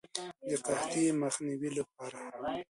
د قحطۍ د مخنیوي لپاره.